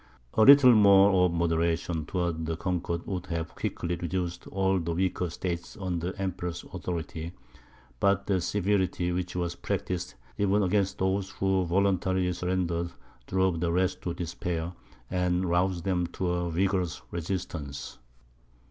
A little more of moderation towards the conquered, would have quickly reduced all the weaker states under the Emperor's authority; but the severity which was practised, even against those who voluntarily surrendered, drove the rest to despair, and roused them to a vigorous resistance.